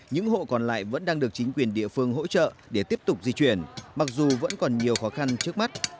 những hộ còn lại vẫn đang được chính quyền địa phương hỗ trợ để tiếp tục di chuyển mặc dù vẫn còn nhiều khó khăn trước mắt